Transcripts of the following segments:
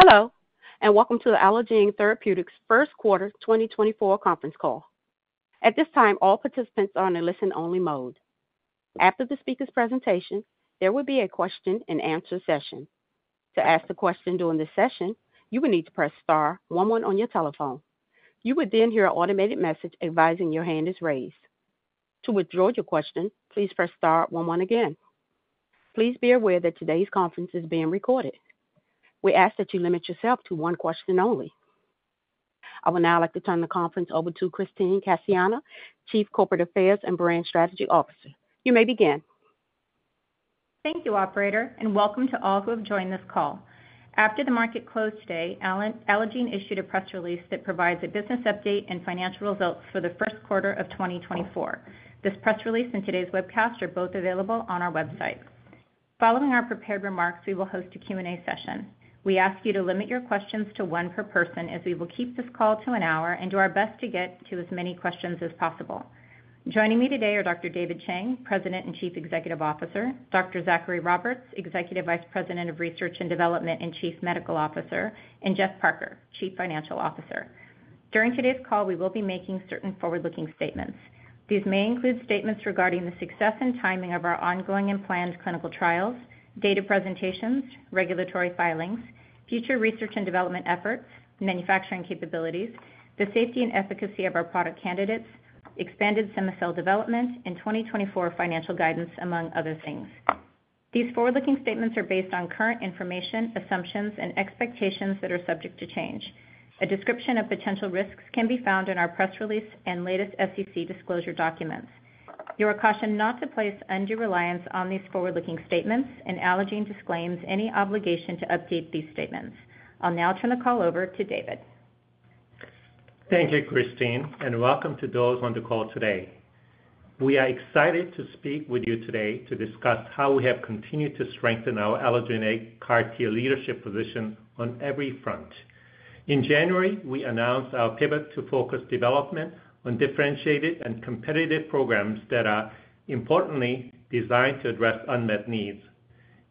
Hello, and welcome to the Allogene Therapeutics First Quarter 2024 conference call. At this time, all participants are in a listen-only mode. After the speaker's presentation, there will be a question-and-answer session. To ask a question during this session, you will need to press star one one on your telephone. You would then hear an automated message advising your hand is raised. To withdraw your question, please press star one one again. Please be aware that today's conference is being recorded. We ask that you limit yourself to one question only. I would now like to turn the conference over to Christine Cassiano, Chief Corporate Affairs and Brand Strategy Officer. You may begin. Thank you, operator, and welcome to all who have joined this call. After the market closed today, Allogene issued a press release that provides a business update and financial results for the first quarter of 2024. This press release and today's webcast are both available on our website. Following our prepared remarks, we will host a Q&A session. We ask you to limit your questions to one per person, as we will keep this call to an hour and do our best to get to as many questions as possible. Joining me today are Dr. David Chang, President and Chief Executive Officer, Dr. Zachary Roberts, Executive Vice President of Research and Development and Chief Medical Officer, and Jeff Parker, Chief Financial Officer. During today's call, we will be making certain forward-looking statements. These may include statements regarding the success and timing of our ongoing and planned clinical trials, data presentations, regulatory filings, future research and development efforts, manufacturing capabilities, the safety and efficacy of our product candidates, expanded cema-cel development, and 2024 financial guidance, among other things. These forward-looking statements are based on current information, assumptions, and expectations that are subject to change. A description of potential risks can be found in our press release and latest SEC disclosure documents. You are cautioned not to place undue reliance on these forward-looking statements, and Allogene disclaims any obligation to update these statements. I'll now turn the call over to David. Thank you, Christine, and welcome to those on the call today. We are excited to speak with you today to discuss how we have continued to strengthen our Allogene CAR-T leadership position on every front. In January, we announced our pivot to focus development on differentiated and competitive programs that are importantly designed to address unmet needs.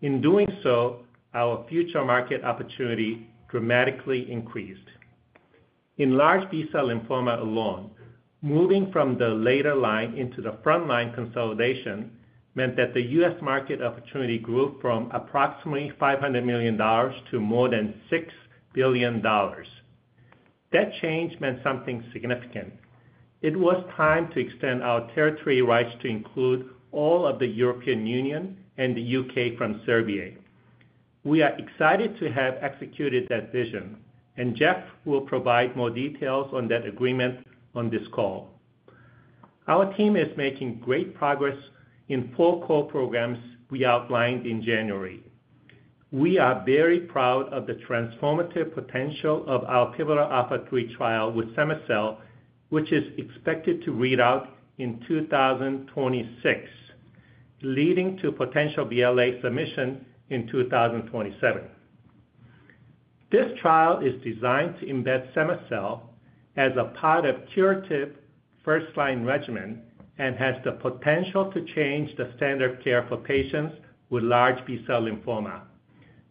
In doing so, our future market opportunity dramatically increased. In large B-cell lymphoma alone, moving from the later line into the frontline consolidation meant that the US market opportunity grew from approximately $500 million to more than $6 billion. That change meant something significant. It was time to extend our territory rights to include all of the European Union and the UK from Servier. We are excited to have executed that vision, and Jeff will provide more details on that agreement on this call. Our team is making great progress in four core programs we outlined in January. We are very proud of the transformative potential of our pivotal ALPHA3 trial with cema-cel, which is expected to read out in 2026, leading to potential BLA submission in 2027. This trial is designed to embed cema-cel as a part of curative first-line regimen and has the potential to change the standard of care for patients with large B-cell lymphoma.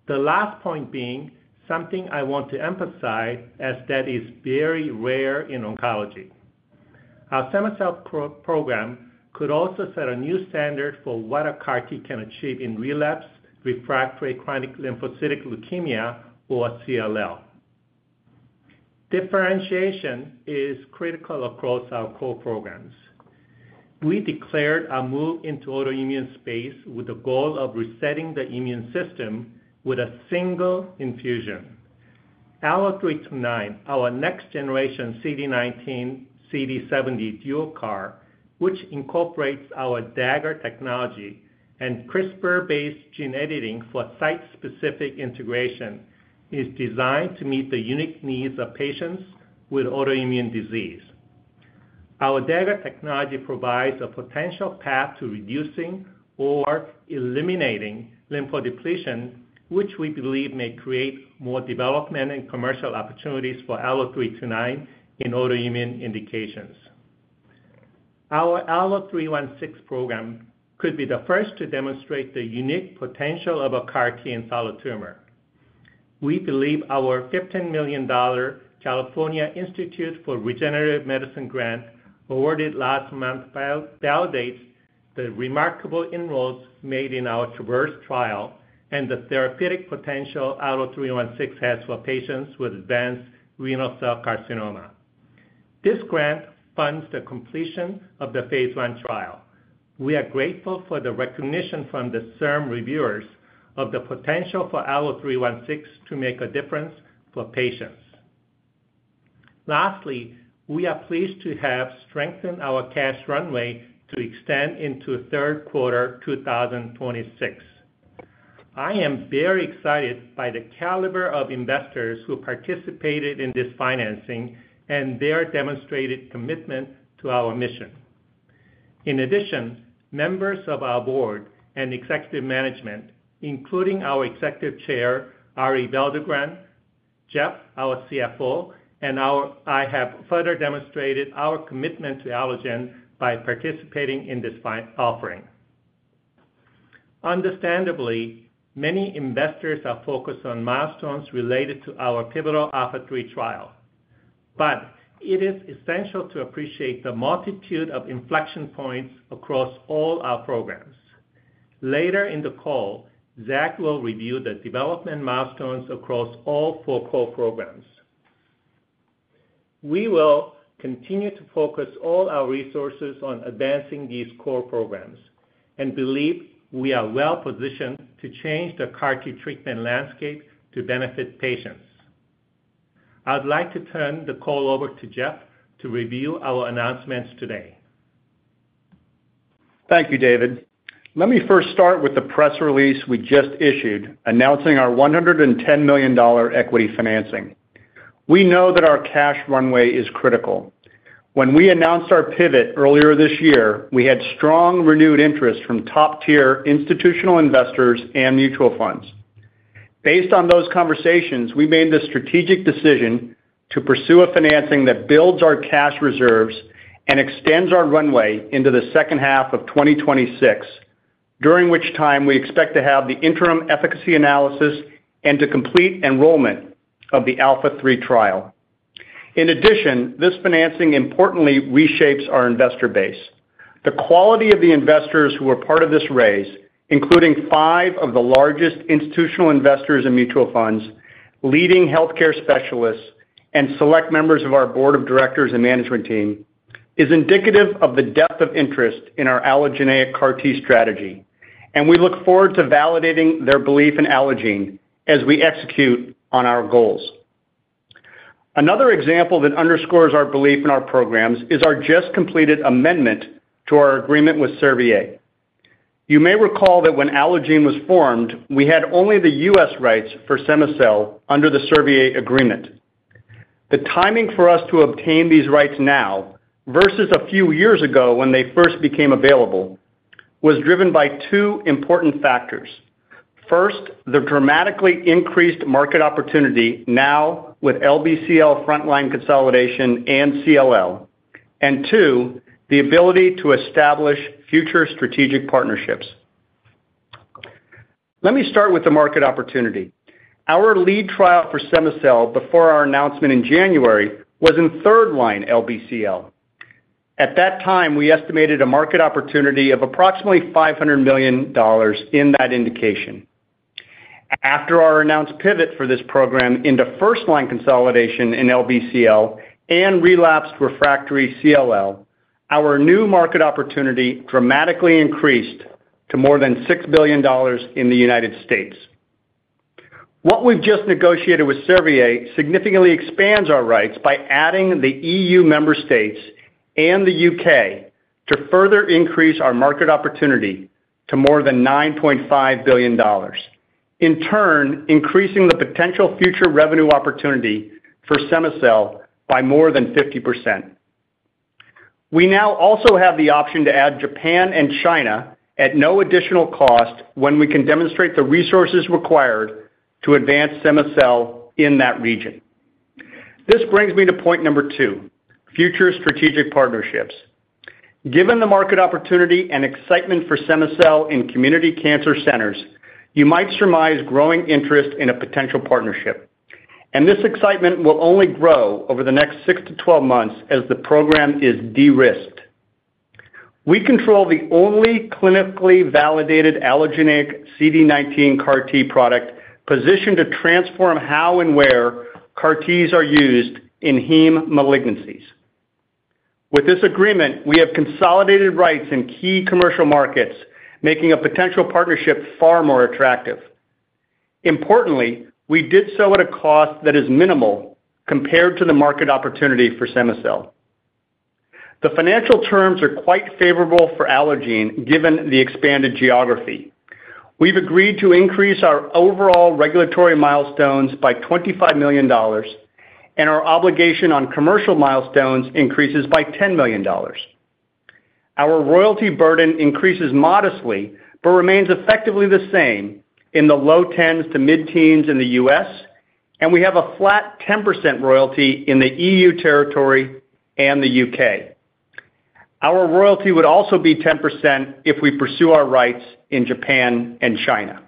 The last point being something I want to emphasize, as that is very rare in oncology. Our cema-cel program could also set a new standard for what a CAR-T can achieve in relapse, refractory chronic lymphocytic leukemia, or CLL. Differentiation is critical across our core programs. We declared a move into autoimmune space with the goal of resetting the immune system with a single infusion. ALLO-329, our next generation CD19, CD70 dual CAR, which incorporates our Dagger technology and CRISPR-based gene editing for site-specific integration, is designed to meet the unique needs of patients with autoimmune disease. Our Dagger technology provides a potential path to reducing or eliminating lymphodepletion, which we believe may create more development and commercial opportunities for ALLO-329 in autoimmune indications. Our ALLO-316 program could be the first to demonstrate the unique potential of a CAR-T in solid tumor. We believe our $15 million California Institute for Regenerative Medicine grant, awarded last month, validates the remarkable inroads made in our TRAVERSE trial and the therapeutic potential ALLO-316 has for patients with advanced renal cell carcinoma. This grant funds the completion of the phase 1 trial. We are grateful for the recognition from the CIRM reviewers of the potential for ALLO-316 to make a difference for patients. Lastly, we are pleased to have strengthened our cash runway to extend into Q3 2026. I am very excited by the caliber of investors who participated in this financing and their demonstrated commitment to our mission. In addition, members of our board and executive management, including our executive chair, Arie Belldegrun, Jeff, our CFO. I have further demonstrated our commitment to Allogene by participating in this financing offering. Understandably, many investors are focused on milestones related to our pivotal ALPHA3 trial, but it is essential to appreciate the multitude of inflection points across all our programs. Later in the call, Zach will review the development milestones across all four core programs. We will continue to focus all our resources on advancing these core programs and believe we are well-positioned to change the CAR T treatment landscape to benefit patients. I'd like to turn the call over to Jeff to review our announcements today. Thank you, David. Let me first start with the press release we just issued, announcing our $110 million equity financing. We know that our cash runway is critical. When we announced our pivot earlier this year, we had strong, renewed interest from top-tier institutional investors and mutual funds. Based on those conversations, we made the strategic decision to pursue a financing that builds our cash reserves and extends our runway into the second half of 2026, during which time we expect to have the interim efficacy analysis and to complete enrollment of the ALPHA3 trial. In addition, this financing importantly reshapes our investor base. The quality of the investors who are part of this raise, including five of the largest institutional investors in mutual funds, leading healthcare specialists, and select members of our board of directors and management team, is indicative of the depth of interest in our allogeneic CAR T strategy, and we look forward to validating their belief in Allogene as we execute on our goals. Another example that underscores our belief in our programs is our just-completed amendment to our agreement with Servier. You may recall that when Allogene was formed, we had only the U.S. rights for cema-cel under the Servier agreement. The timing for us to obtain these rights now, versus a few years ago when they first became available, was driven by two important factors. First, the dramatically increased market opportunity now with LBCL frontline consolidation and CLL, and two, the ability to establish future strategic partnerships. Let me start with the market opportunity. Our lead trial for cema-cel before our announcement in January was in third-line LBCL. At that time, we estimated a market opportunity of approximately $500 million in that indication. After our announced pivot for this program into first-line consolidation in LBCL and relapsed refractory CLL, our new market opportunity dramatically increased to more than $6 billion in the United States. What we've just negotiated with Servier significantly expands our rights by adding the EU member states and the UK to further increase our market opportunity to more than $9.5 billion, in turn, increasing the potential future revenue opportunity for cema-cel by more than 50%. We now also have the option to add Japan and China at no additional cost when we can demonstrate the resources required to advance cema-cel in that region. This brings me to point number 2, future strategic partnerships. Given the market opportunity and excitement for cema-cel in community cancer centers, you might surmise growing interest in a potential partnership, and this excitement will only grow over the next 6 to 12 months as the program is de-risked. We control the only clinically validated allogeneic CD19 CAR T product positioned to transform how and where CAR Ts are used in heme malignancies. With this agreement, we have consolidated rights in key commercial markets, making a potential partnership far more attractive. Importantly, we did so at a cost that is minimal compared to the market opportunity for cema-cel. The financial terms are quite favorable for Allogene, given the expanded geography. We've agreed to increase our overall regulatory milestones by $25 million, and our obligation on commercial milestones increases by $10 million. Our royalty burden increases modestly, but remains effectively the same in the low 10s%-mid-teens% in the U.S., and we have a flat 10% royalty in the E.U. territory and the U.K. Our royalty would also be 10% if we pursue our rights in Japan and China.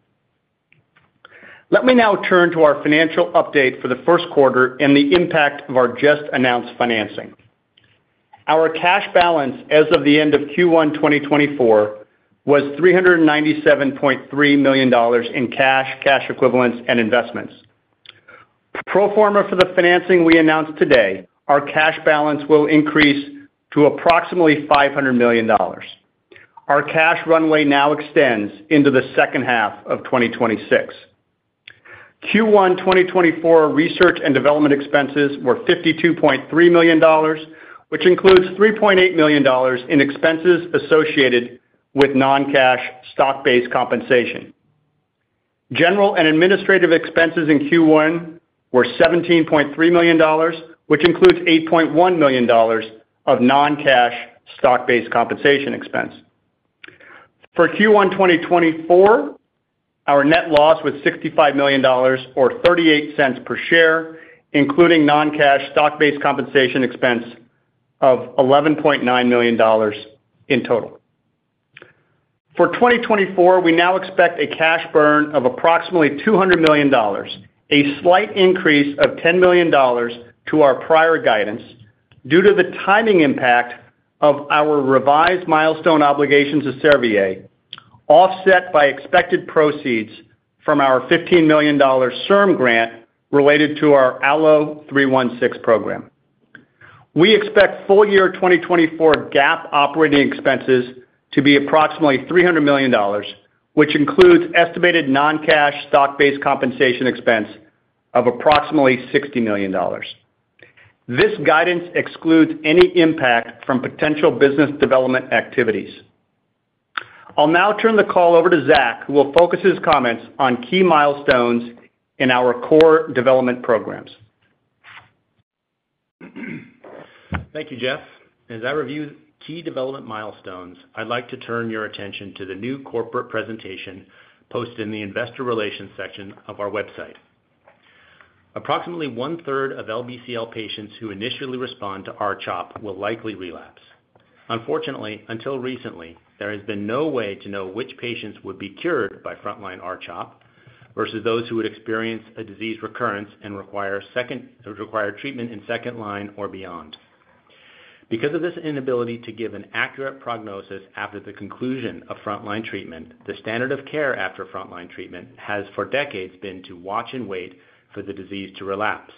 Let me now turn to our financial update for the first quarter and the impact of our just-announced financing. Our cash balance as of the end of Q1 2024 was $397.3 million in cash, cash equivalents, and investments. Pro forma for the financing we announced today, our cash balance will increase to approximately $500 million. Our cash runway now extends into the second half of 2026. Q1 2024 research and development expenses were $52.3 million, which includes $3.8 million in expenses associated with non-cash stock-based compensation. General and administrative expenses in Q1 were $17.3 million, which includes $8.1 million of non-cash stock-based compensation expense. For Q1 2024... Our net loss was $65 million or $0.38 per share, including non-cash stock-based compensation expense of $11.9 million in total. For 2024, we now expect a cash burn of approximately $200 million, a slight increase of $10 million to our prior guidance, due to the timing impact of our revised milestone obligations to Servier, offset by expected proceeds from our $15 million CIRM grant related to our ALLO-316 program. We expect full year 2024 GAAP operating expenses to be approximately $300 million, which includes estimated non-cash stock-based compensation expense of approximately $60 million. This guidance excludes any impact from potential business development activities. I'll now turn the call over to Zach, who will focus his comments on key milestones in our core development programs. Thank you, Jeff. As I review key development milestones, I'd like to turn your attention to the new corporate presentation posted in the investor relations section of our website. Approximately one-third of LBCL patients who initially respond to R-CHOP will likely relapse. Unfortunately, until recently, there has been no way to know which patients would be cured by frontline R-CHOP versus those who would experience a disease recurrence and require treatment in second line or beyond. Because of this inability to give an accurate prognosis after the conclusion of frontline treatment, the standard of care after frontline treatment has, for decades, been to watch and wait for the disease to relapse.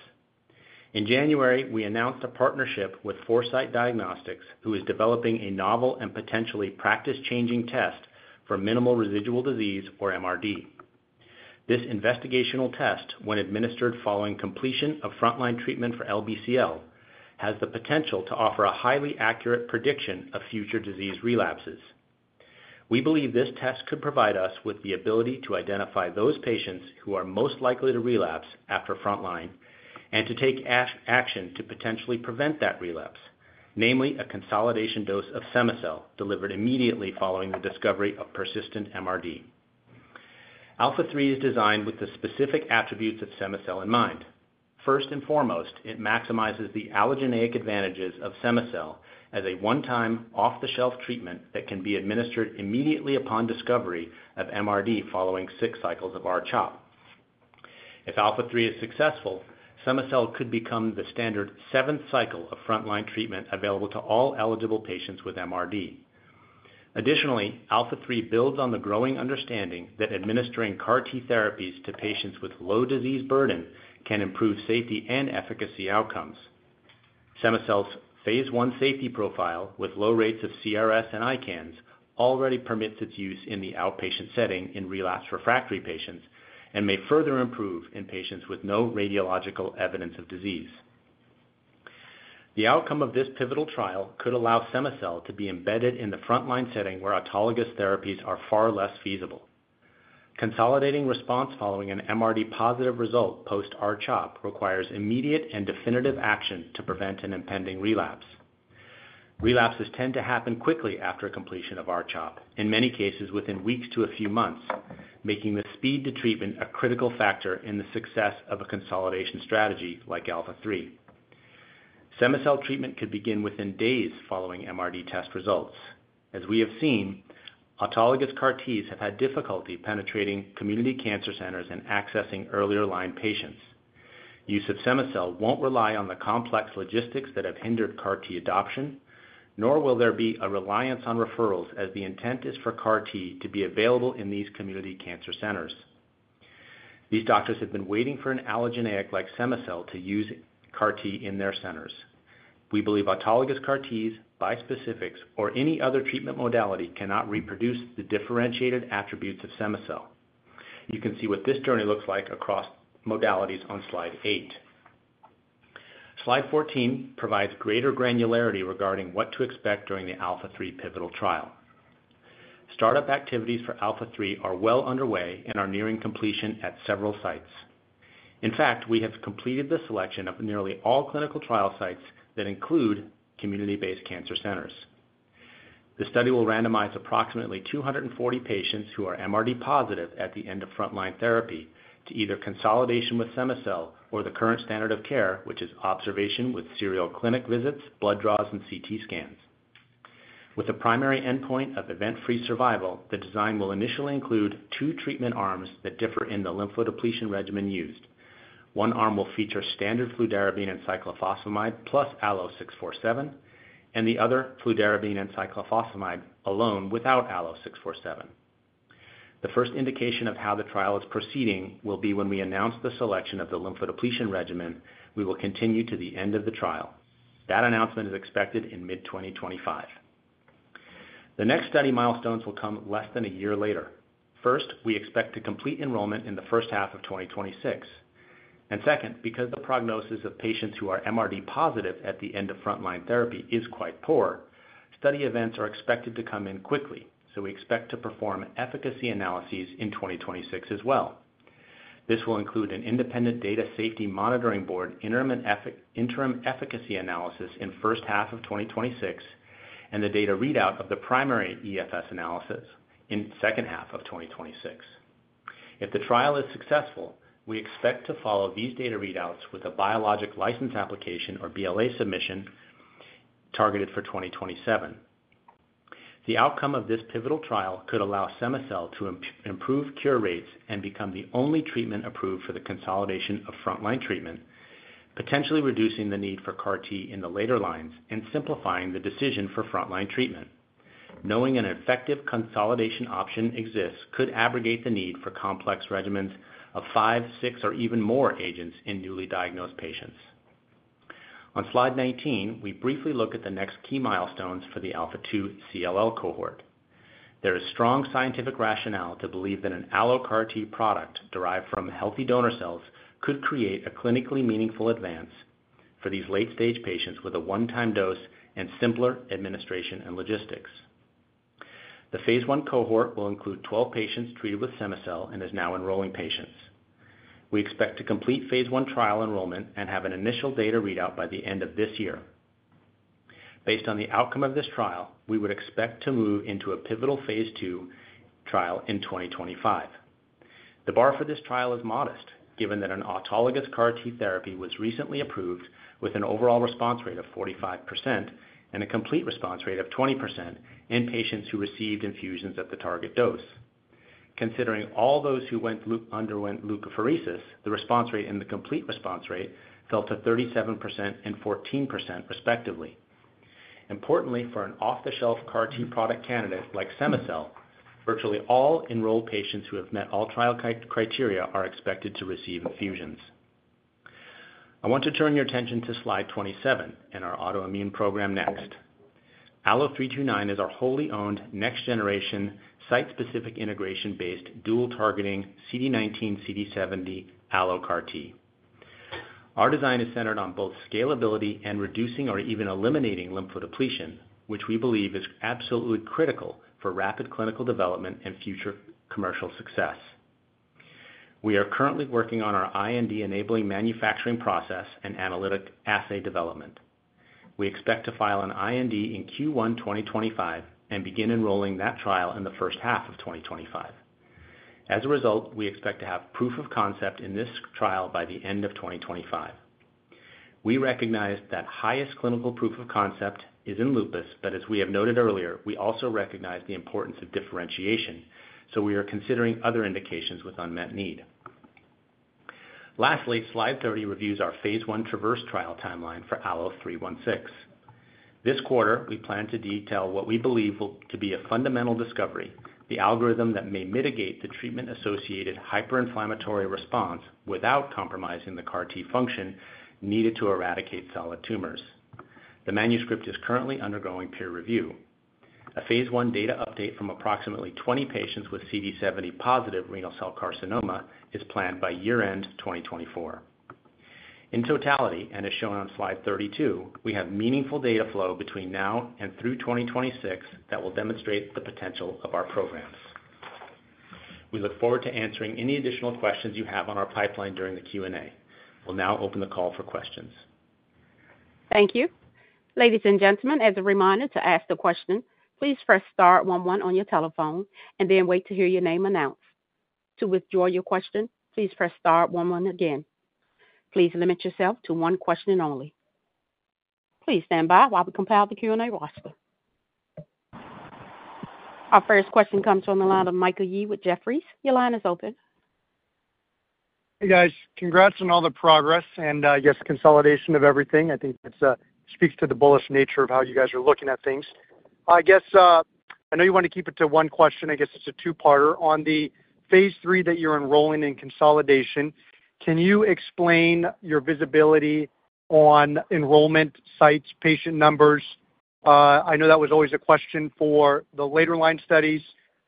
In January, we announced a partnership with Foresight Diagnostics, who is developing a novel and potentially practice-changing test for minimal residual disease, or MRD. This investigational test, when administered following completion of frontline treatment for LBCL, has the potential to offer a highly accurate prediction of future disease relapses. We believe this test could provide us with the ability to identify those patients who are most likely to relapse after frontline and to take action to potentially prevent that relapse, namely, a consolidation dose of cema-cel delivered immediately following the discovery of persistent MRD. ALPHA3 is designed with the specific attributes of cema-cel in mind. First and foremost, it maximizes the allogeneic advantages of cema-cel as a one-time, off-the-shelf treatment that can be administered immediately upon discovery of MRD, following six cycles of R-CHOP. If ALPHA3 is successful, cema-cel could become the standard seventh cycle of frontline treatment available to all eligible patients with MRD. Additionally, ALPHA3 builds on the growing understanding that administering CAR T therapies to patients with low disease burden can improve safety and efficacy outcomes. Cema-cel's phase 1 safety profile, with low rates of CRS and ICANS, already permits its use in the outpatient setting in relapsed/refractory patients and may further improve in patients with no radiological evidence of disease. The outcome of this pivotal trial could allow cema-cel to be embedded in the frontline setting where autologous therapies are far less feasible. Consolidating response following an MRD-positive result post R-CHOP requires immediate and definitive action to prevent an impending relapse. Relapses tend to happen quickly after completion of R-CHOP, in many cases, within weeks to a few months, making the speed to treatment a critical factor in the success of a consolidation strategy like ALPHA3. Cema-cel treatment could begin within days following MRD test results. As we have seen, autologous CAR Ts have had difficulty penetrating community cancer centers and accessing earlier line patients. Use of cema-cel won't rely on the complex logistics that have hindered CAR T adoption, nor will there be a reliance on referrals, as the intent is for CAR T to be available in these community cancer centers. These doctors have been waiting for an allogeneic like cema-cel to use CAR T in their centers. We believe autologous CAR Ts, bispecifics, or any other treatment modality cannot reproduce the differentiated attributes of cema-cel. You can see what this journey looks like across modalities on Slide 8. Slide 14 provides greater granularity regarding what to expect during the ALPHA3 pivotal trial. Startup activities for ALPHA3 are well underway and are nearing completion at several sites. In fact, we have completed the selection of nearly all clinical trial sites that include community-based cancer centers. The study will randomize approximately 240 patients who are MRD positive at the end of frontline therapy to either consolidation with cema-cel or the current standard of care, which is observation with serial clinic visits, blood draws, and CT scans. With a primary endpoint of event-free survival, the design will initially include two treatment arms that differ in the lymphodepletion regimen used. One arm will feature standard fludarabine and cyclophosphamide plus ALLO-647, and the other fludarabine and cyclophosphamide alone without ALLO-647. The first indication of how the trial is proceeding will be when we announce the selection of the lymphodepletion regimen, we will continue to the end of the trial. That announcement is expected in mid-2025. The next study milestones will come less than a year later. First, we expect to complete enrollment in the first half of 2026. And second, because the prognosis of patients who are MRD positive at the end of frontline therapy is quite poor, study events are expected to come in quickly, so we expect to perform efficacy analyses in 2026 as well. This will include an independent data safety monitoring board, interim efficacy analysis in first half of 2026, and the data readout of the primary EFS analysis in second half of 2026. If the trial is successful, we expect to follow these data readouts with a Biologics License Application, or BLA, submission, targeted for 2027. The outcome of this pivotal trial could allow cema-cel to improve cure rates and become the only treatment approved for the consolidation of frontline treatment, potentially reducing the need for CAR T in the later lines and simplifying the decision for frontline treatment. Knowing an effective consolidation option exists could abrogate the need for complex regimens of five, six, or even more agents in newly diagnosed patients. On Slide 19, we briefly look at the next key milestones for the ALPHA2 CLL cohort. There is strong scientific rationale to believe that an AlloCAR T product derived from healthy donor cells could create a clinically meaningful advance for these late-stage patients with a one-time dose and simpler administration and logistics. The phase I cohort will include 12 patients treated with cema-cel and is now enrolling patients. We expect to complete phase I trial enrollment and have an initial data readout by the end of this year. Based on the outcome of this trial, we would expect to move into a pivotal phase II trial in 2025. The bar for this trial is modest, given that an autologous CAR T therapy was recently approved with an overall response rate of 45% and a complete response rate of 20% in patients who received infusions at the target dose. Considering all those who underwent leukapheresis, the response rate and the complete response rate fell to 37% and 14%, respectively. Importantly, for an off-the-shelf CAR T product candidate like cema-cel, virtually all enrolled patients who have met all trial criteria are expected to receive infusions. I want to turn your attention to Slide 27 and our autoimmune program next. ALLO-329 is our wholly owned, next generation, site-specific, integration-based, dual targeting CD19, CD70 AlloCAR T. Our design is centered on both scalability and reducing or even eliminating lymphodepletion, which we believe is absolutely critical for rapid clinical development and future commercial success. We are currently working on our IND-enabling manufacturing process and analytic assay development. We expect to file an IND in Q1 2025, and begin enrolling that trial in the first half of 2025. As a result, we expect to have proof of concept in this trial by the end of 2025. We recognize that highest clinical proof of concept is in lupus, but as we have noted earlier, we also recognize the importance of differentiation, so we are considering other indications with unmet need. Lastly, Slide 30 reviews our phase 1 TRAVERSE trial timeline for ALLO-316. This quarter, we plan to detail what we believe will be a fundamental discovery, the algorithm that may mitigate the treatment-associated hyperinflammatory response without compromising the CAR T function needed to eradicate solid tumors. The manuscript is currently undergoing peer review. A phase I data update from approximately 20 patients with CD70-positive renal cell carcinoma is planned by year-end 2024. In totality, and as shown on Slide 32, we have meaningful data flow between now and through 2026 that will demonstrate the potential of our programs. We look forward to answering any additional questions you have on our pipeline during the Q&A. We'll now open the call for questions. Thank you. Ladies and gentlemen, as a reminder, to ask the question, please press star one one on your telephone and then wait to hear your name announced. To withdraw your question, please press star one one again. Please limit yourself to one question only. Please stand by while we compile the Q&A roster. Our first question comes from the line of Michael Yee with Jefferies. Your line is open. Hey, guys. Congrats on all the progress and, yes, consolidation of everything. I think it's, speaks to the bullish nature of how you guys are looking at things. I guess, I know you want to keep it to one question. I guess it's a two-parter. On the phase 3 that you're enrolling in consolidation, can you explain your visibility on enrollment sites, patient numbers? I know that was always a question for the later line studies,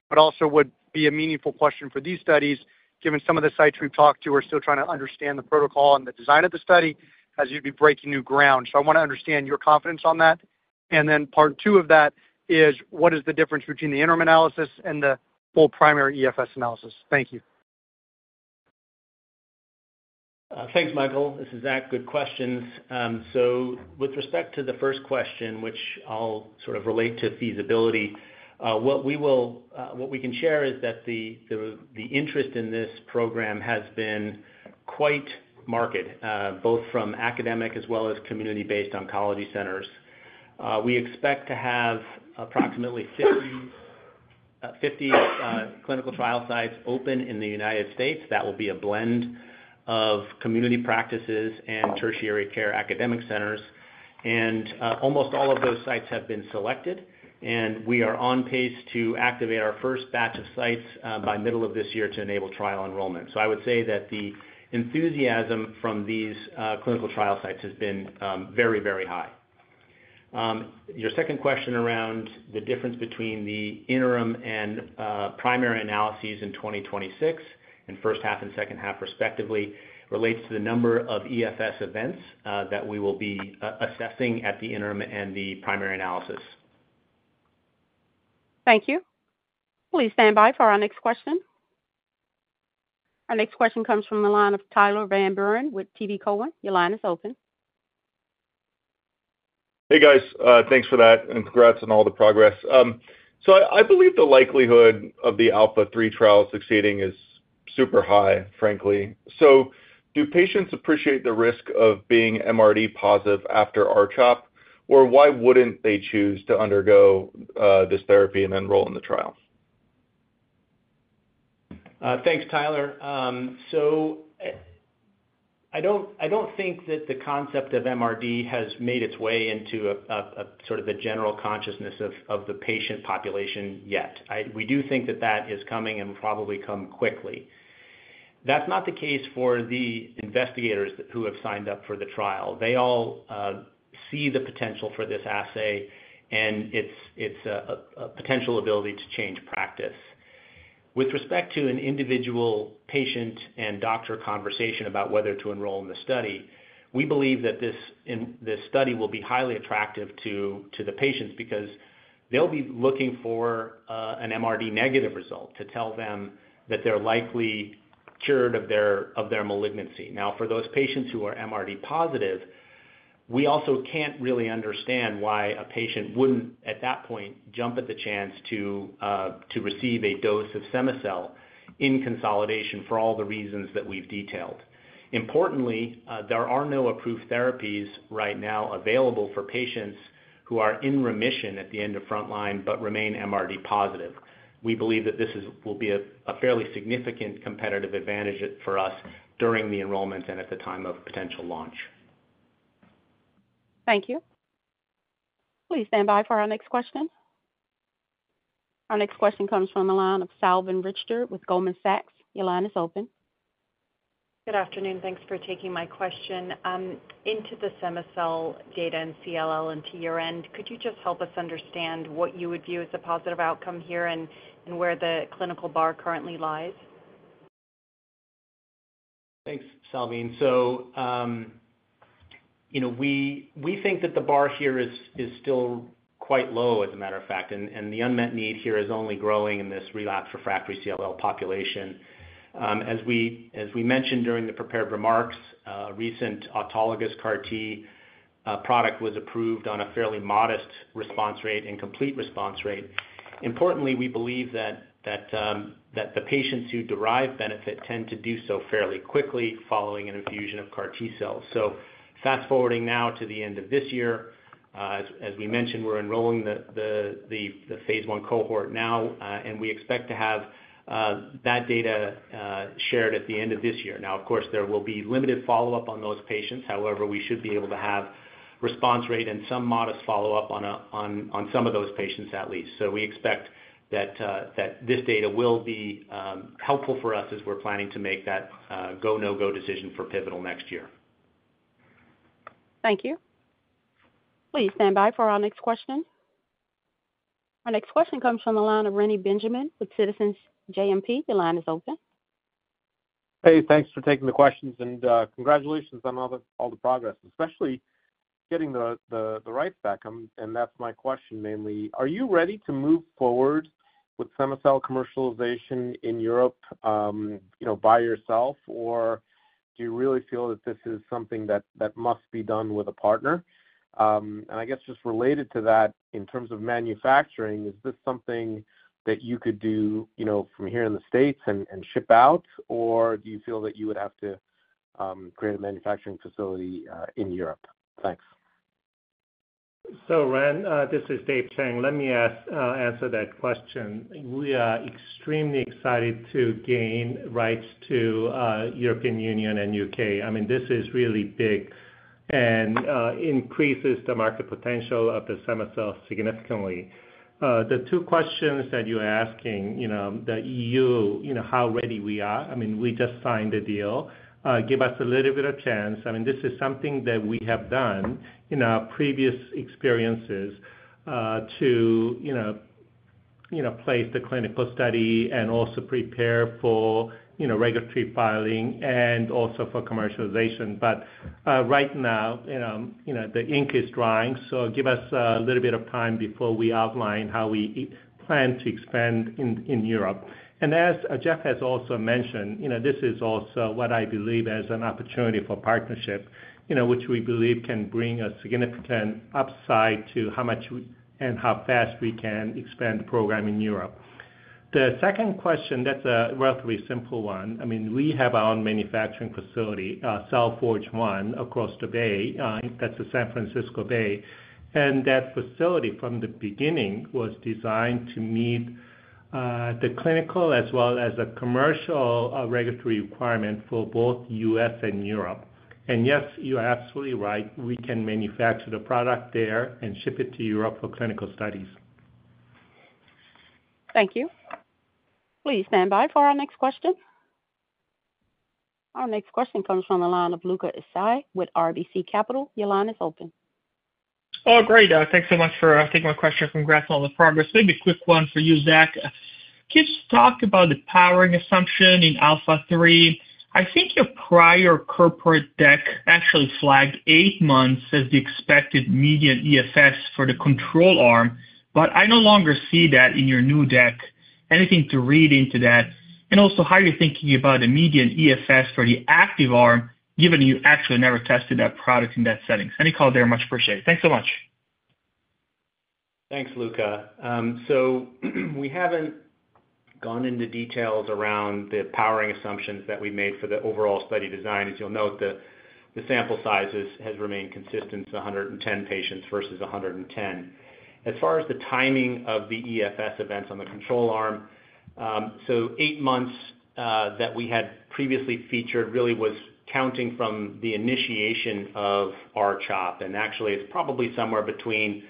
but also would be a meaningful question for these studies, given some of the sites we've talked to are still trying to understand the protocol and the design of the study as you'd be breaking new ground. So I want to understand your confidence on that. And then part two of that is, what is the difference between the interim analysis and the full primary EFS analysis? Thank you. Thanks, Michael. This is Zach. Good questions. So with respect to the first question, which I'll sort of relate to feasibility, what we can share is that the interest in this program has been quite marked, both from academic as well as community-based oncology centers. We expect to have approximately 50 clinical trial sites open in the United States. That will be a blend of community practices and tertiary care academic centers. Almost all of those sites have been selected, and we are on pace to activate our first batch of sites, by middle of this year to enable trial enrollment. So I would say that the enthusiasm from these clinical trial sites has been very, very high. Your second question around the difference between the interim and primary analyses in 2026, and first half and second half, respectively, relates to the number of EFS events that we will be assessing at the interim and the primary analysis. Thank you. Please stand by for our next question. Our next question comes from the line of Tyler Van Buren with TD Cowen. Your line is open. Hey, guys, thanks for that, and congrats on all the progress. So I believe the likelihood of the ALPHA3 trial succeeding is super high, frankly. So do patients appreciate the risk of being MRD positive after R-CHOP? Or why wouldn't they choose to undergo this therapy and then enroll in the trial? Thanks, Tyler. So, I don't, I don't think that the concept of MRD has made its way into a sort of the general consciousness of the patient population yet. I... We do think that that is coming and probably come quickly. That's not the case for the investigators who have signed up for the trial. They all see the potential for this assay, and it's a potential ability to change practice. With respect to an individual patient and doctor conversation about whether to enroll in the study, we believe that this, and this study will be highly attractive to the patients because they'll be looking for an MRD negative result to tell them that they're likely cured of their malignancy. Now, for those patients who are MRD positive, we also can't really understand why a patient wouldn't, at that point, jump at the chance to receive a dose of cema-cel in consolidation for all the reasons that we've detailed. Importantly, there are no approved therapies right now available for patients who are in remission at the end of frontline, but remain MRD positive. We believe that this will be a fairly significant competitive advantage for us during the enrollment and at the time of potential launch. Thank you. Please stand by for our next question. Our next question comes from the line of Salveen Richter with Goldman Sachs. Your line is open. Good afternoon, thanks for taking my question. Into the cema-cel data and CLL and to your end, could you just help us understand what you would view as a positive outcome here and, and where the clinical bar currently lies? Thanks, Salveen. So, you know, we think that the bar here is still quite low, as a matter of fact, and the unmet need here is only growing in this relapse refractory CLL population. As we mentioned during the prepared remarks, a recent autologous CAR T product was approved on a fairly modest response rate and complete response rate. Importantly, we believe that the patients who derive benefit tend to do so fairly quickly following an infusion of CAR T cells. So fast-forwarding now to the end of this year, as we mentioned, we're enrolling the phase 1 cohort now, and we expect to have that data shared at the end of this year. Now, of course, there will be limited follow-up on those patients. However, we should be able to have response rate and some modest follow-up on some of those patients, at least. So we expect that this data will be helpful for us as we're planning to make that go, no-go decision for pivotal next year. Thank you. Please stand by for our next question. Our next question comes from the line of Reni Benjamin with Citizens JMP. Your line is open. Hey, thanks for taking the questions, and congratulations on all the progress, especially getting the rights back. And that's my question. Namely, are you ready to move forward with cema-cel commercialization in Europe, you know, by yourself? Or do you really feel that this is something that must be done with a partner? And I guess just related to that, in terms of manufacturing, is this something that you could do, you know, from here in the States and ship out, or do you feel that you would have to create a manufacturing facility in Europe? Thanks. So, Ren, this is Dave Chang. Let me answer that question. We are extremely excited to gain rights to the European Union and UK. I mean, this is really big and increases the market potential of cema-cel significantly. The two questions that you're asking, you know, the EU, you know, how ready we are. I mean, we just signed the deal. Give us a little bit of chance. I mean, this, this is something that we have done in our previous experiences to place the clinical study and also prepare for regulatory filing and also for commercialization. But right now, you know, the ink is drying, so give us a little bit of time before we outline how we plan to expand in Europe. As Jeff has also mentioned, you know, this is also what I believe is an opportunity for partnership, you know, which we believe can bring a significant upside to how much we... and how fast we can expand the program in Europe. The second question, that's a relatively simple one. I mean, we have our own manufacturing facility, CellForge 1, across the bay, that's the San Francisco Bay. And that facility, from the beginning, was designed to meet the clinical as well as the commercial, regulatory requirement for both U.S. and Europe. And yes, you are absolutely right. We can manufacture the product there and ship it to Europe for clinical studies. Thank you. Please stand by for our next question. Our next question comes from the line of Luca Issi with RBC Capital. Your line is open. Oh, great, thanks so much for taking my question. Congrats on all the progress. Maybe a quick one for you, Zach.... Can you just talk about the powering assumption in ALPHA3? I think your prior corporate deck actually flagged 8 months as the expected median EFS for the control arm, but I no longer see that in your new deck. Anything to read into that? And also, how are you thinking about the median EFS for the active arm, given you actually never tested that product in that setting? Any call there much appreciated. Thanks so much. Thanks, Luca. So we haven't gone into details around the powering assumptions that we made for the overall study design. As you'll note, the sample sizes has remained consistent to 110 patients versus 110. As far as the timing of the EFS events on the control arm, so 8 months that we had previously featured really was counting from the initiation of R-CHOP, and actually it's probably somewhere between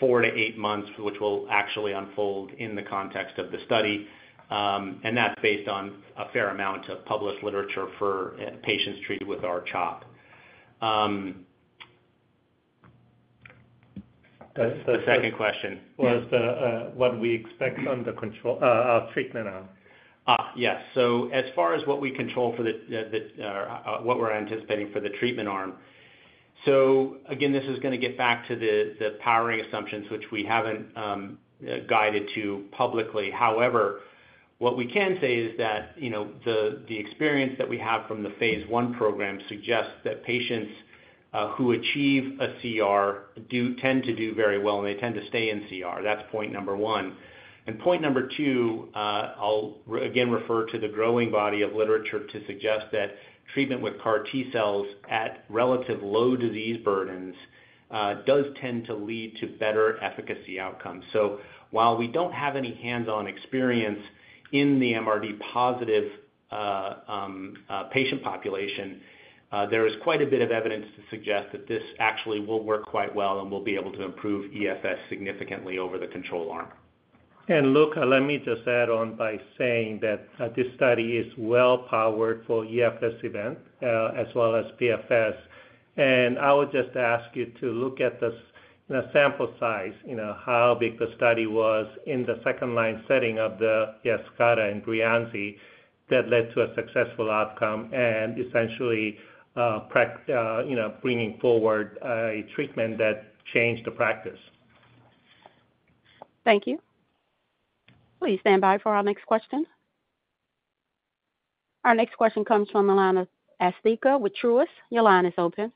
4-8 months, which will actually unfold in the context of the study. And that's based on a fair amount of published literature for patients treated with R-CHOP. That's the second question- Yeah. Was the what we expect on the control treatment arm? Ah, yes. So as far as what we control for the what we're anticipating for the treatment arm, so again, this is gonna get back to the powering assumptions, which we haven't guided to publicly. However, what we can say is that, you know, the experience that we have from the Phase 1 program suggests that patients who achieve a CR do tend to do very well, and they tend to stay in CR. That's point number one. And point number two, I'll again refer to the growing body of literature to suggest that treatment with CAR T-cells at relative low disease burdens does tend to lead to better efficacy outcomes. So while we don't have any hands-on experience in the MRD positive patient population, there is quite a bit of evidence to suggest that this actually will work quite well, and we'll be able to improve EFS significantly over the control arm. Luca, let me just add on by saying that this study is well powered for EFS event as well as PFS. I would just ask you to look at this, the sample size, you know, how big the study was in the second-line setting of the Yescarta and Breyanzi that led to a successful outcome and essentially, you know, bringing forward a treatment that changed the practice. Thank you. Please stand by for our next question. Our next question comes from Asthika with Truist. Your line is open.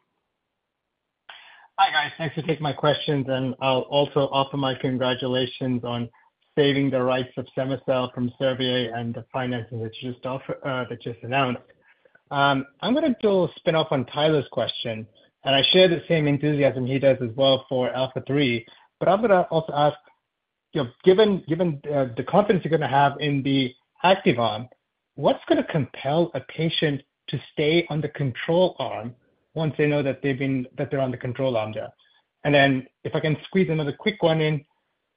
Hi, guys. Thanks to take my questions, and I'll also offer my congratulations on saving the rights of cema-cel from Servier and the financing that you just offer- that just announced. I'm gonna do a spin-off on Tyler's question, and I share the same enthusiasm he does as well for ALPHA3. But I'm gonna also ask, you know, given, given, the confidence you're gonna have in the active arm, what's gonna compel a patient to stay on the control arm once they know that they've been, that they're on the control arm there? And then, if I can squeeze another quick one in.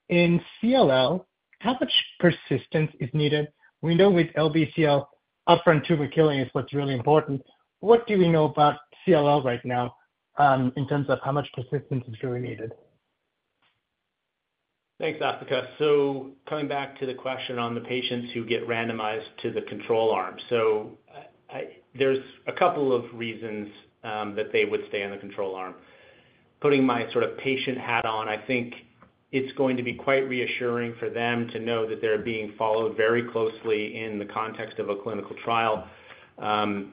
In CLL, how much persistence is needed? We know with LBCL, upfront tumor killing is what's really important. What do we know about CLL right now, in terms of how much persistence is really needed? Thanks, Asthika. So coming back to the question on the patients who get randomized to the control arm. So, there's a couple of reasons that they would stay on the control arm. Putting my sort of patient hat on, I think it's going to be quite reassuring for them to know that they're being followed very closely in the context of a clinical trial,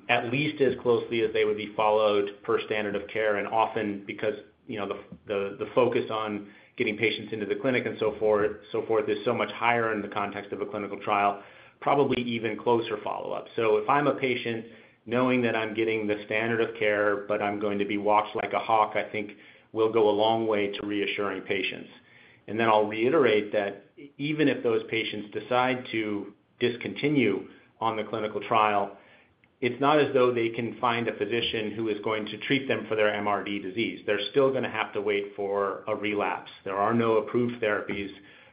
at least as closely as they would be followed per standard of care, and often because, you know, the focus on getting patients into the clinic and so forth, is so much higher in the context of a clinical trial, probably even closer follow-up. So if I'm a patient, knowing that I'm getting the standard of care, but I'm going to be watched like a hawk, I think will go a long way to reassuring patients. Then I'll reiterate that even if those patients decide to discontinue on the clinical trial, it's not as though they can find a physician who is going to treat them for their MRD disease. They're still gonna have to wait for a relapse. There are no approved therapies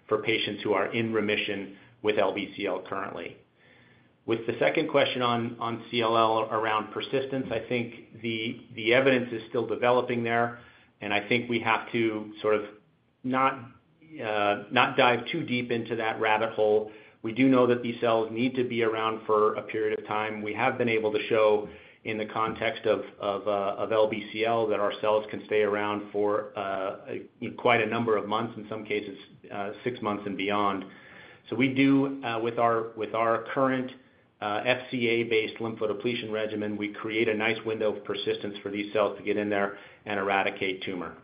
for patients who are in remission with LBCL currently. With the second question on CLL around persistence, I think the evidence is still developing there, and I think we have to sort of not dive too deep into that rabbit hole. We do know that these cells need to be around for a period of time. We have been able to show, in the context of LBCL, that our cells can stay around for quite a number of months, in some cases, six months and beyond. So we do with our current FCA-based lymphodepletion regimen, we create a nice window of persistence for these cells to get in there and eradicate tumor.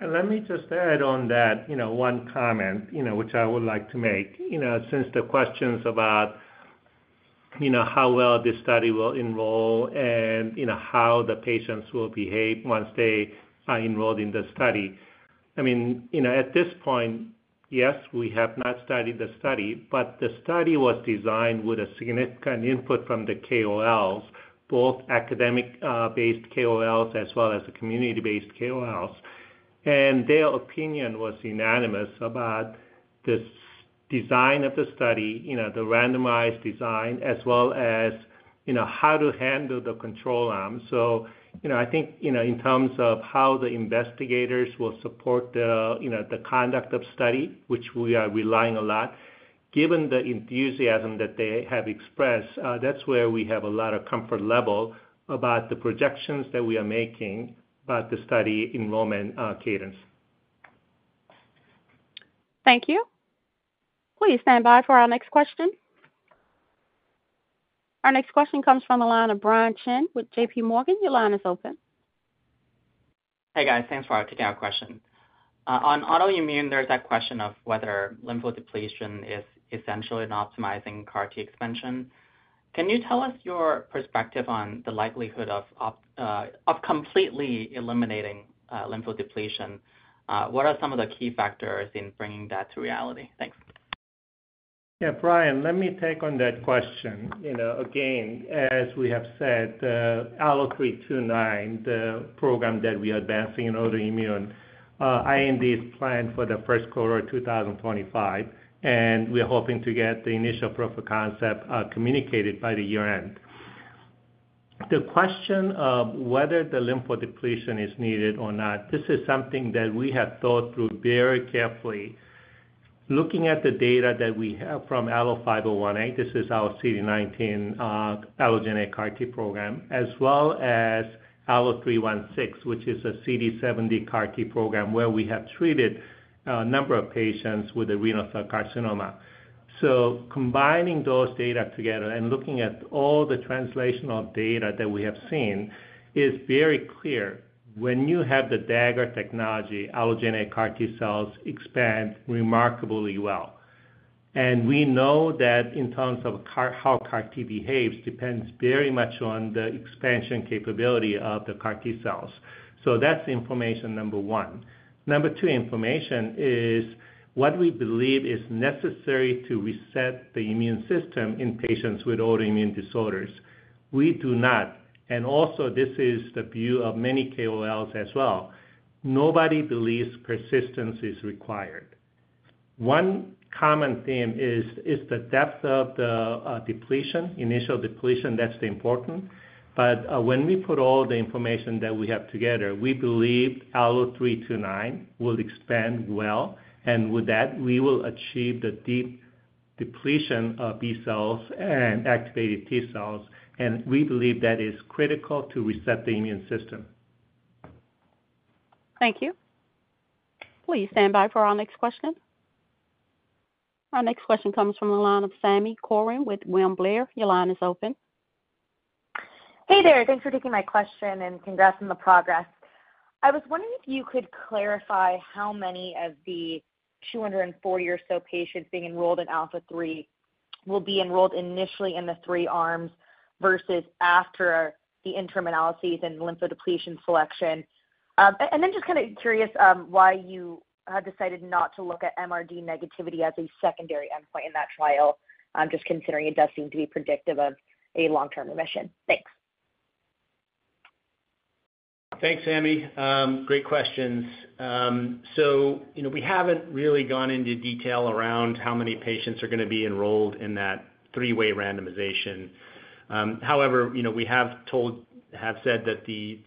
Let me just add on that, you know, one comment, you know, which I would like to make. You know, since the questions about, you know, how well this study will enroll and, you know, how the patients will behave once they are enrolled in the study. I mean, you know, at this point, yes, we have not started the study, but the study was designed with a significant input from the KOLs, both academic based KOLs as well as the community-based KOLs. And their opinion was unanimous about this design of the study, you know, the randomized design, as well as, you know, how to handle the control arm. You know, I think, you know, in terms of how the investigators will support the, you know, the conduct of study, which we are relying a lot, given the enthusiasm that they have expressed, that's where we have a lot of comfort level about the projections that we are making about the study enrollment, cadence. Thank you. Please stand by for our next question. Our next question comes from the line of Brian Chin with JPMorgan. Your line is open. Hey, guys. Thanks for taking our question. On autoimmune, there's that question of whether lymphodepletion is essential in optimizing CAR-T expansion. Can you tell us your perspective on the likelihood of completely eliminating lymphodepletion? What are some of the key factors in bringing that to reality? Thanks. Yeah, Brian, let me take on that question. You know, again, as we have said, ALLO-329, the program that we are advancing in autoimmune, IND is planned for the first quarter of 2025, and we're hoping to get the initial proof of concept, communicated by the year-end. The question of whether the lymphodepletion is needed or not, this is something that we have thought through very carefully. Looking at the data that we have from ALLO-501A, this is our CD19, allogeneic CAR-T program, as well as ALLO-316, which is a CD70 CAR-T program, where we have treated a number of patients with renal carcinoma. So combining those data together and looking at all the translational data that we have seen, is very clear. When you have the Dagger Technology, allogeneic CAR-T cells expand remarkably well. We know that in terms of CAR, how CAR-T behaves, depends very much on the expansion capability of the CAR-T cells. So that's information number one. Number two information is what we believe is necessary to reset the immune system in patients with autoimmune disorders. We do not, and also this is the view of many KOLs as well, nobody believes persistence is required. One common theme is the depth of the initial depletion, that's important. But when we put all the information that we have together, we believe ALLO-329 will expand well, and with that, we will achieve the deep depletion of B cells and activated T cells, and we believe that is critical to reset the immune system. Thank you. Please stand by for our next question. Our next question comes from the line of Sami Corwin with William Blair. Your line is open. Hey there. Thanks for taking my question, and congrats on the progress. I was wondering if you could clarify how many of the 240 or so patients being enrolled in ALPHA3 will be enrolled initially in the three arms versus after the interim analyses and lymphodepletion selection? And then just kind of curious why you have decided not to look at MRD negativity as a secondary endpoint in that trial, just considering it does seem to be predictive of a long-term remission. Thanks. Thanks, Sammy. Great questions. So, you know, we haven't really gone into detail around how many patients are going to be enrolled in that three-way randomization. However, you know, we have told- have said that the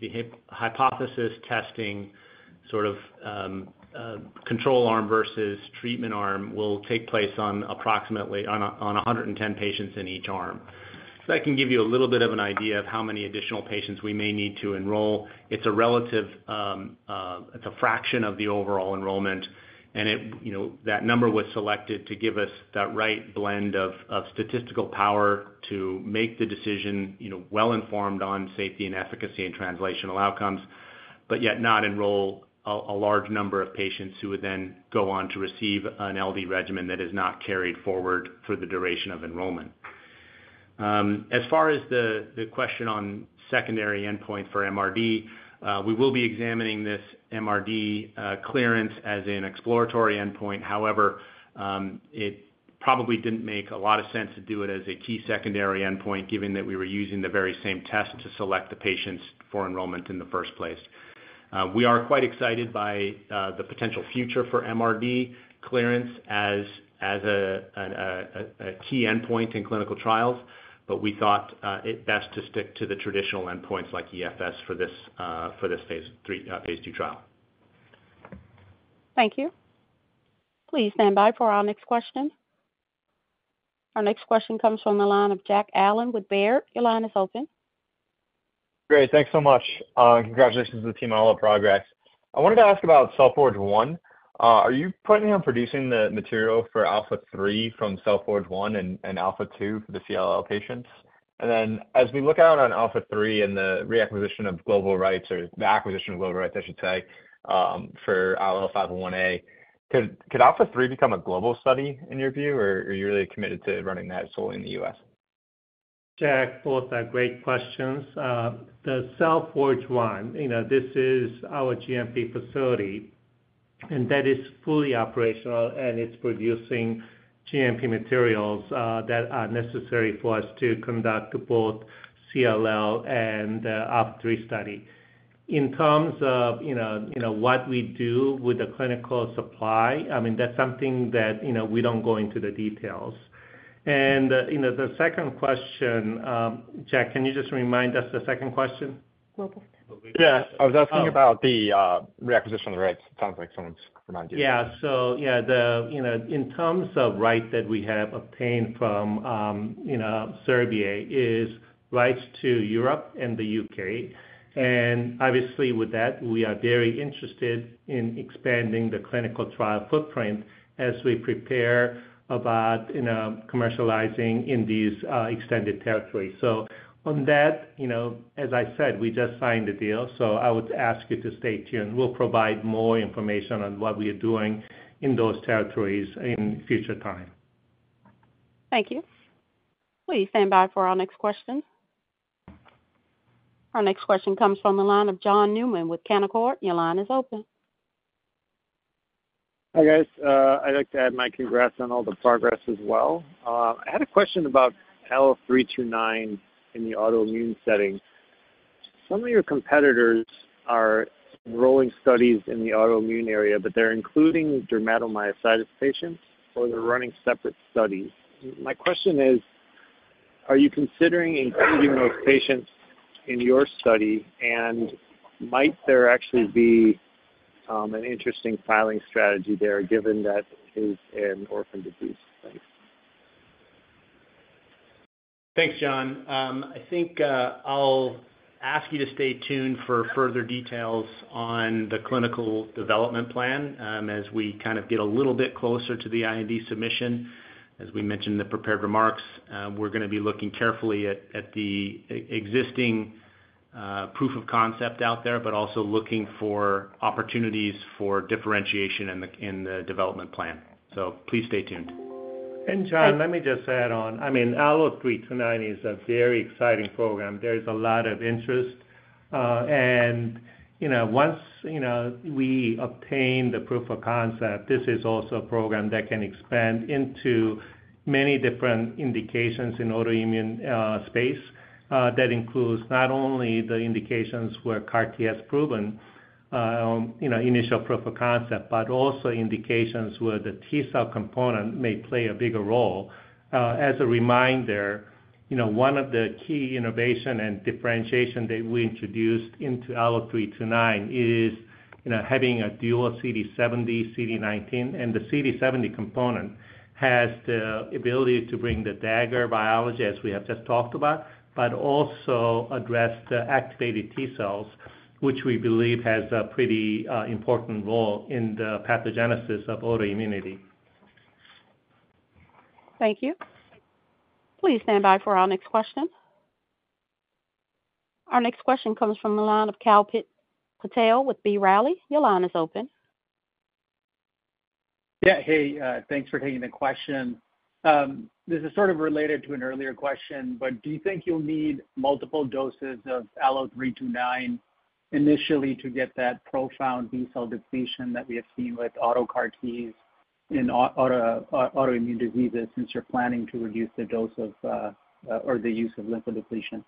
hypothesis testing, sort of, control arm versus treatment arm, will take place on approximately 110 patients in each arm. So that can give you a little bit of an idea of how many additional patients we may need to enroll. It's a relative, it's a fraction of the overall enrollment, and it, you know, that number was selected to give us that right blend of statistical power to make the decision, you know, well-informed on safety and efficacy and translational outcomes, but yet not enroll a large number of patients who would then go on to receive an LD regimen that is not carried forward for the duration of enrollment. As far as the question on secondary endpoint for MRD, we will be examining this MRD clearance as an exploratory endpoint. However, it probably didn't make a lot of sense to do it as a key secondary endpoint, given that we were using the very same test to select the patients for enrollment in the first place. We are quite excited by the potential future for MRD clearance as a key endpoint in clinical trials, but we thought it best to stick to the traditional endpoints like EFS for this phase two trial. Thank you. Please stand by for our next question. Our next question comes from the line of Jack Allen with Baird. Your line is open. Great. Thanks so much. Congratulations to the team on all the progress. I wanted to ask about CellForge 1. Are you planning on producing the material for ALPHA3 from CellForge 1 and ALPHA2 for the CLL patients? And then as we look out on ALPHA3 and the reacquisition of global rights or the acquisition of global rights, I should say, for ALLO-501A, could ALPHA3 become a global study in your view, or are you really committed to running that solely in the U.S.? Jack, both are great questions. The CellForge 1, you know, this is our GMP facility, and that is fully operational, and it's producing GMP materials that are necessary for us to conduct both CLL and ALPHA3 study. In terms of, you know, what we do with the clinical supply, I mean, that's something that, you know, we don't go into the details. You know, the second question, Jack, can you just remind us the second question? Yes. I was asking about the reacquisition of the rights. Sounds like someone's reminded you. Yeah. So, yeah, the, you know, in terms of rights that we have obtained from, you know, Servier, is rights to Europe and the UK. And obviously, with that, we are very interested in expanding the clinical trial footprint as we prepare about, you know, commercializing in these, extended territories. So on that, you know, as I said, we just signed the deal, so I would ask you to stay tuned. We'll provide more information on what we are doing in those territories in future time. Thank you. Please stand by for our next question. Our next question comes from the line of John Newman with Canaccord. Your line is open. Hi, guys. I'd like to add my congrats on all the progress as well. I had a question about ALLO-329 in the autoimmune setting. Some of your competitors are enrolling studies in the autoimmune area, but they're including dermatomyositis patients, or they're running separate studies. My question is, are you considering including those patients in your study? And might there actually be an interesting filing strategy there, given that is an orphan disease? Thanks. Thanks, John. I think I'll ask you to stay tuned for further details on the clinical development plan, as we kind of get a little bit closer to the IND submission. As we mentioned in the prepared remarks, we're gonna be looking carefully at the existing proof of concept out there, but also looking for opportunities for differentiation in the development plan. Please stay tuned. And John, let me just add on. I mean, ALLO-329 is a very exciting program. There's a lot of interest, and, you know, once, you know, we obtain the proof of concept, this is also a program that can expand into many different indications in autoimmune, space. That includes not only the indications where CAR T has proven, you know, initial proof of concept, but also indications where the T-cell component may play a bigger role. As a reminder, you know, one of the key innovation and differentiation that we introduced into ALLO-329 is, you know, having a dual CD70, CD19, and the CD70 component has the ability to bring the dagger biology, as we have just talked about, but also address the activated T-cells, which we believe has a pretty, important role in the pathogenesis of autoimmunity. Thank you. Please stand by for our next question. Our next question comes from the line of Kalpit Patel with B. Riley. Your line is open. Yeah, hey, thanks for taking the question. This is sort of related to an earlier question, but do you think you'll need multiple doses of ALLO-329 initially to get that profound B-cell depletion that we have seen with auto CAR Ts in autoimmune diseases, since you're planning to reduce the dose of, or the use of lymphodepletion?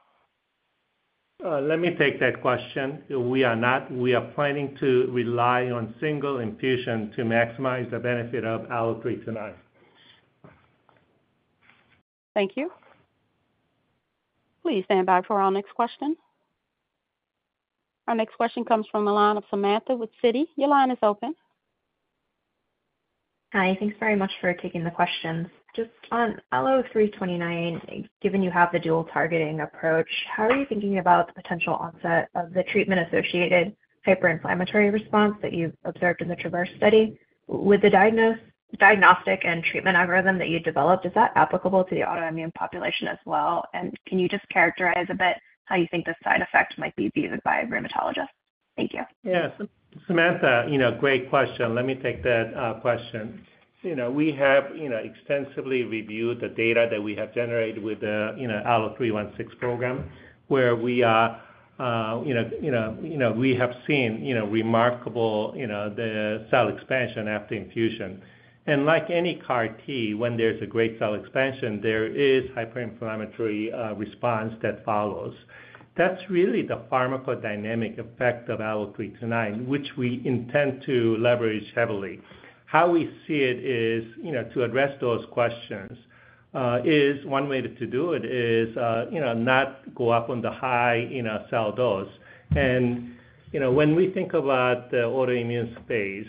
Let me take that question. We are not. We are planning to rely on single infusion to maximize the benefit of ALLO-329. Thank you. Please stand by for our next question. Our next question comes from the line of Samantha with Citi. Your line is open. Hi, thanks very much for taking the questions. Just on ALLO-329, given you have the dual targeting approach, how are you thinking about the potential onset of the treatment-associated hyperinflammatory response that you've observed in the TRAVERSE study? With the diagnostic and treatment algorithm that you developed, is that applicable to the autoimmune population as well? And can you just characterize a bit how you think the side effects might be viewed by a rheumatologist? Thank you. Yeah. So Samantha, you know, great question. Let me take that question. You know, we have, you know, extensively reviewed the data that we have generated with the, you know, ALLO-316 program, where we are, you know, you know, you know, we have seen, you know, remarkable, you know, the cell expansion after infusion. And like any CAR T, when there's a great cell expansion, there is hyperinflammatory response that follows. That's really the pharmacodynamic effect of ALLO-329, which we intend to leverage heavily. How we see it is, you know, to address those questions is one way to do it is, you know, not go up on the high, you know, cell dose. You know, when we think about the autoimmune space,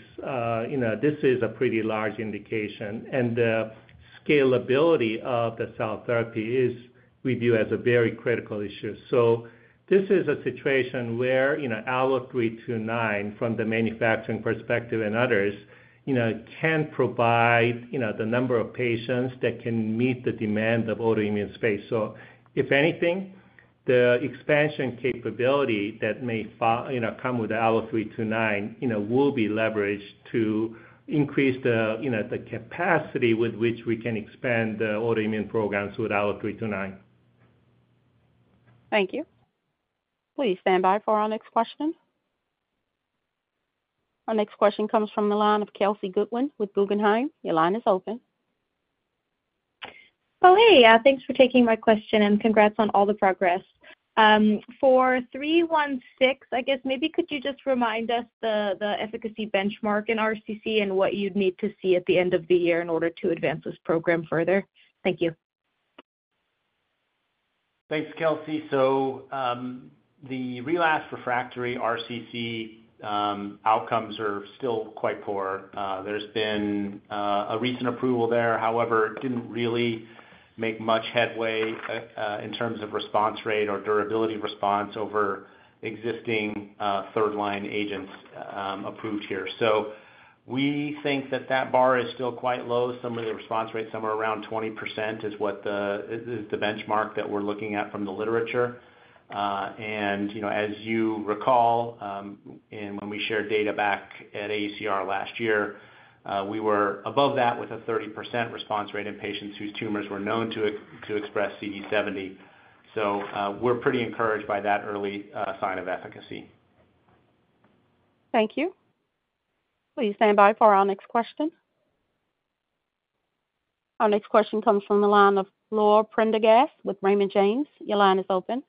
you know, this is a pretty large indication, and the scalability of the cell therapy is we view as a very critical issue. So this is a situation where, you know, ALLO-329, from the manufacturing perspective and others, you know, can provide, you know, the number of patients that can meet the demand of autoimmune space. So if anything, the expansion capability that may come with the ALLO-329, you know, will be leveraged to increase the, you know, the capacity with which we can expand the autoimmune programs with ALLO-329. Thank you. Please stand by for our next question. Our next question comes from the line of Kelsey Goodwin with Guggenheim. Your line is open. Oh, hey, thanks for taking my question, and congrats on all the progress. For 316, I guess maybe could you just remind us the efficacy benchmark in RCC and what you'd need to see at the end of the year in order to advance this program further? Thank you. Thanks, Kelsey. So, the relapsed/refractory RCC outcomes are still quite poor. There's been a recent approval there. However, it didn't really make much headway in terms of response rate or durability response over existing third-line agents approved here. So we think that that bar is still quite low. Some of the response rates, somewhere around 20% is what the benchmark that we're looking at from the literature. And, you know, as you recall, when we shared data back at ACR last year, we were above that with a 30% response rate in patients whose tumors were known to express CD70. So, we're pretty encouraged by that early sign of efficacy. Thank you. Please stand by for our next question. Our next question comes from the line of Laura Prendergast with Raymond James. Your line is open.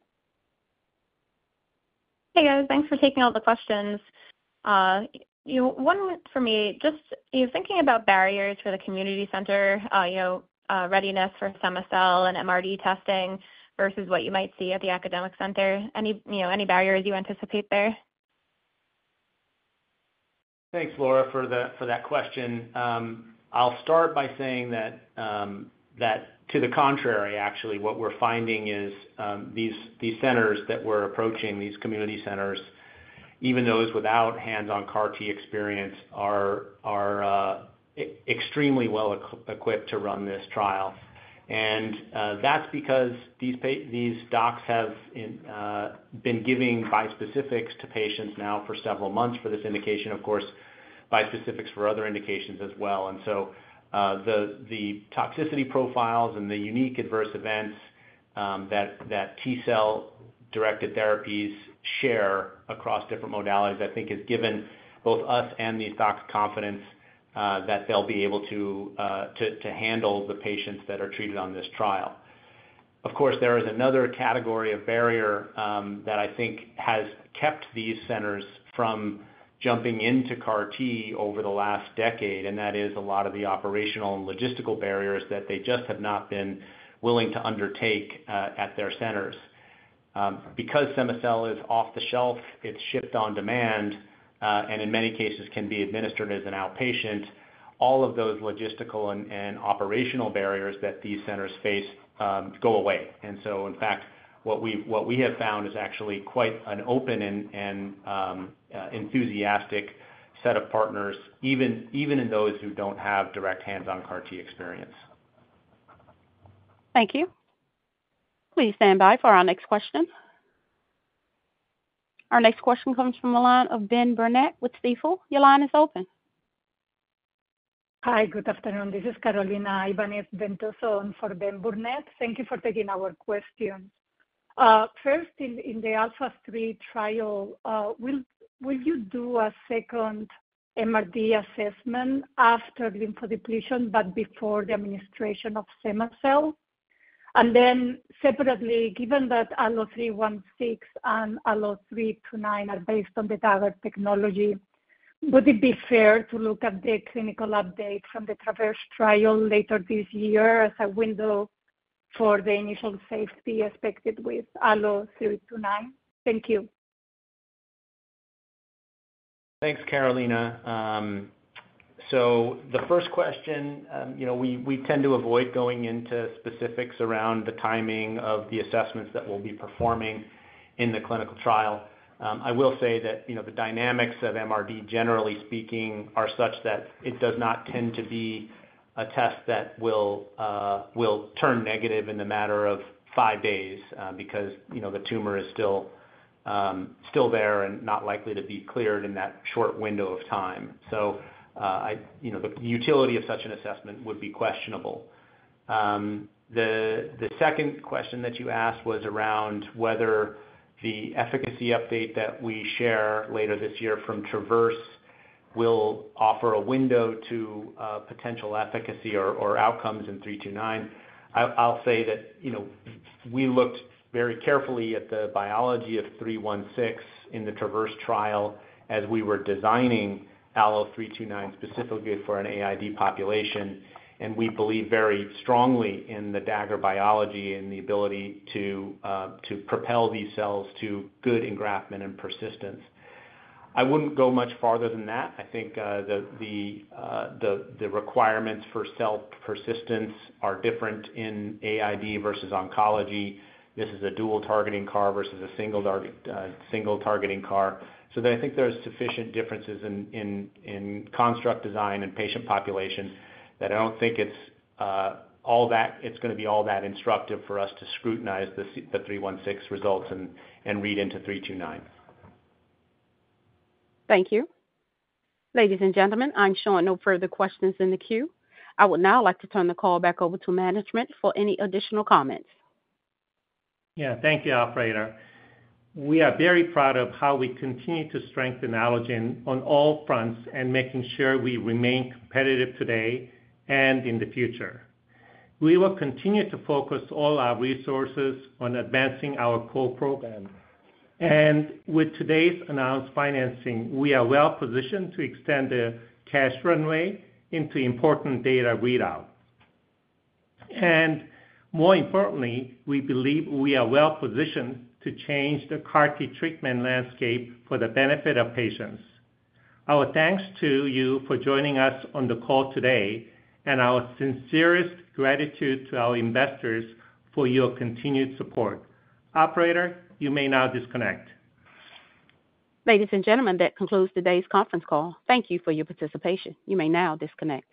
Hey, guys. Thanks for taking all the questions. You know, one for me, just, you know, thinking about barriers for the community center, you know, readiness for cell and MRD testing versus what you might see at the academic center, any, you know, any barriers you anticipate there? Thanks, Laura, for that question. I'll start by saying that to the contrary, actually, what we're finding is these centers that we're approaching, these community centers, even those without hands-on CAR T experience, are extremely well equipped to run this trial. And that's because these docs have been giving bispecifics to patients now for several months for this indication, of course, bispecifics for other indications as well. And so the toxicity profiles and the unique adverse events that T cell-directed therapies share across different modalities, I think, has given both us and these docs confidence that they'll be able to handle the patients that are treated on this trial. Of course, there is another category of barrier, that I think has kept these centers from jumping into CAR T over the last decade, and that is a lot of the operational and logistical barriers that they just have not been willing to undertake, at their centers. Because cema-cel is off the shelf, it's shipped on demand, and in many cases can be administered as an outpatient, all of those logistical and operational barriers that these centers face go away, and so in fact, what we have found is actually quite an open and enthusiastic set of partners, even in those who don't have direct hands-on CAR T experience. Thank you. Please stand by for our next question. Our next question comes from the line of Ben Burnett with Stifel. Your line is open. Hi, good afternoon. This is Carolina Ibanez Ventoso for Ben Burnett. Thank you for taking our questions. First, in the ALPHA3 trial, will you do a second MRD assessment after lymphodepletion, but before the administration of cema-cel? And then separately, given that ALLO-316 and ALLO-329 are based on the dagger technology, would it be fair to look at the clinical update from the TRAVERSE trial later this year as a window for the initial safety expected with ALLO-329? Thank you. Thanks, Carolina. So the first question, you know, we, we tend to avoid going into specifics around the timing of the assessments that we'll be performing in the clinical trial. I will say that, you know, the dynamics of MRD, generally speaking, are such that it does not tend to be a test that will, will turn negative in the matter of five days, because, you know, the tumor is still, still there and not likely to be cleared in that short window of time. So, you know, the utility of such an assessment would be questionable. The, the second question that you asked was around whether the efficacy update that we share later this year from TRAVERSE will offer a window to, potential efficacy or, or outcomes in three two nine. I'll say that, you know, we looked very carefully at the biology of ALLO-316 in the TRAVERSE trial as we were designing ALLO-329 specifically for an AID population, and we believe very strongly in the DAGR biology and the ability to propel these cells to good engraftment and persistence. I wouldn't go much farther than that. I think the requirements for cell persistence are different in AID versus oncology. This is a dual targeting CAR versus a single targeting CAR. So I think there are sufficient differences in construct design and patient population that I don't think it's all that it's gonna be all that instructive for us to scrutinize the ALLO-316 results and read into ALLO-329. Thank you. Ladies and gentlemen, I'm showing no further questions in the queue. I would now like to turn the call back over to management for any additional comments. Yeah. Thank you, operator. We are very proud of how we continue to strengthen Allogene on all fronts and making sure we remain competitive today and in the future. We will continue to focus all our resources on advancing our core program. With today's announced financing, we are well positioned to extend the cash runway into important data readout. More importantly, we believe we are well positioned to change the CAR T treatment landscape for the benefit of patients. Our thanks to you for joining us on the call today, and our sincerest gratitude to our investors for your continued support. Operator, you may now disconnect. Ladies and gentlemen, that concludes today's conference call. Thank you for your participation. You may now disconnect.